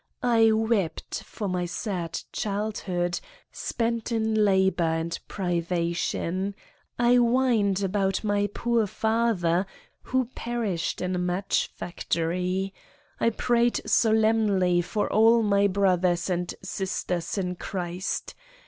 I wept for my sad child hood, spent in labor and privation ; I whined about my poor father who perished in a match factory. I prayed solemnly for all my brothers and sisters in Christ.